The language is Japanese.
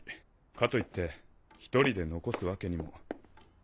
かといって１人で残すわけにも。